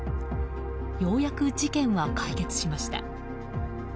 ようやく事件は解決しました。